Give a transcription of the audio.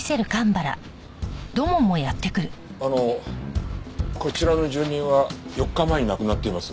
あのこちらの住人は４日前に亡くなっています。